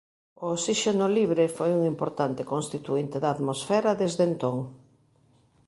O oxíxeno libre foi un importante constituínte da atmosfera desde entón.